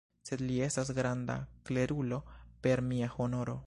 Sed li estas granda klerulo, per mia honoro!